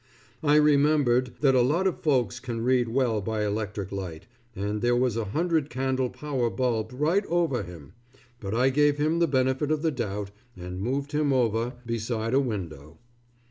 I remembered that a lot of folks can read real well by electric light, and there was a hundred candle power bulb right over him; but I gave him the benefit of the doubt and moved him over beside a window.